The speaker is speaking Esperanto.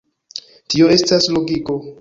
Tio estas logiko.